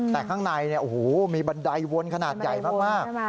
แต่ข้างในเนี่ยโอ้โหมีบันไดวนขนาดใหญ่มาก